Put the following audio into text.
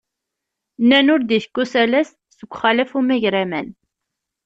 Nnan ur d-itekk usalas, seg uxalaf umagraman.